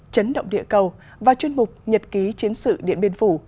chấn động địa cầu và chuyên mục nhật ký chiến sự điện biên phủ